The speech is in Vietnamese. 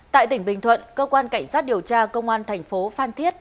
tại tỉnh bình thuận cơ quan cảnh sát điều tra công an thành phố phan thiết